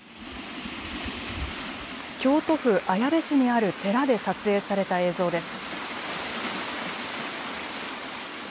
京都府綾部市にある寺で撮影された映像です。